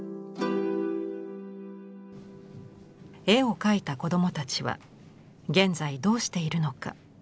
絵を描いた子どもたちは現在どうしているのか。